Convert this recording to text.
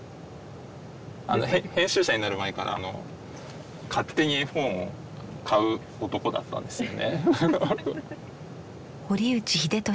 編集者になる前から勝手に絵本を買う男だったんですよね。